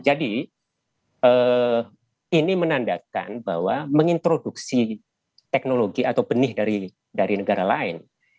jadi ini menandakan bahwa mengintroduksi teknologi atau benih dari negara lain